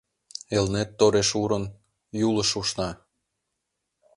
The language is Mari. Элнет тореш урын, Юлыш ушна.